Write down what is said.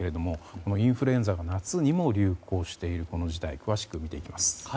このインフルエンザが夏にも流行しているこの事態詳しく見ていきます。